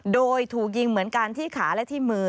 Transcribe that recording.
โดยถูกยิงเหมือนกันที่ขาและที่มือ